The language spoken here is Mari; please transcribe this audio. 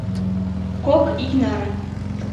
— Кок ий наре.